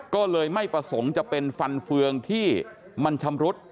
ก็เลยไม่ประสงค์จะเป็นฟันเฟืองที่มันชำรุด